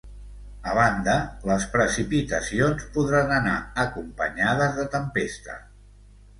A banda, les precipitacions podran anar acompanyades de tempesta.